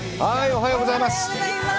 おはようございます。